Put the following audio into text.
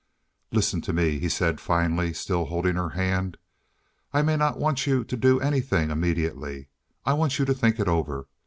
"Listen to me," he said finally, still holding her hand. "I may not want you to do anything immediately. I want you to think it over.